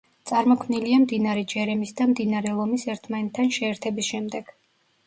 წარმოქმნილია მდინარე ჯერემის და მდინარე ლომის ერთმანეთთან შეერთების შემდეგ.